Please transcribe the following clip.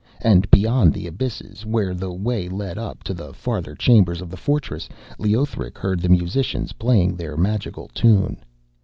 And beyond the abysses, where the way led up to the farther chambers of the fortress, Leothric heard the musicians playing their magical tune.